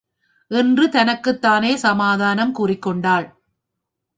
என்று தனக்குத் தானே சமாதானம் கூறிக்கொண்டாள்.